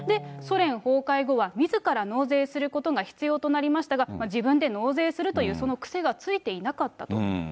ソ連崩壊後はみずから納税することが必要となりましたが、自分で納税するという、その癖がついていなかったと。